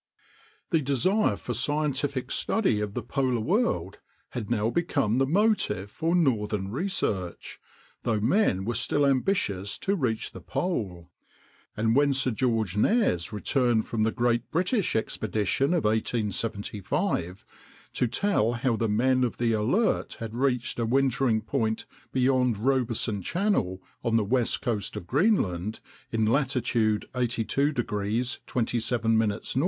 The desire for scientific study of the polar world had now become the motive for northern research, though men were still ambitious to reach the pole; and when Sir George Nares returned from the great British expedition of 1875, to tell how the men of the Alert had reached a wintering point beyond Robeson Channel, on the west coast of Greenland, in latitude 82° 27´ N.